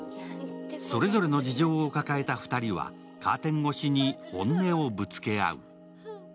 それぞれの事情を抱えた２人はカーテン越しに本音をぶつけ合う。